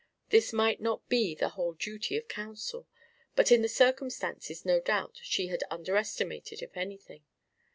This might not be the whole duty of counsel, but in the circumstances no doubt she had underestimated, if anything.